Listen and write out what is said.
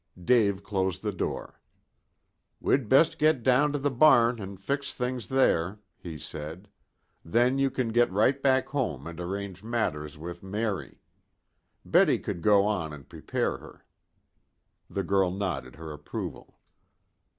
Dave closed the door. "We'd best get down to the barn and fix things there," he said. "Then you can get right back home and arrange matters with Mary. Betty could go on and prepare her." The girl nodded her approval.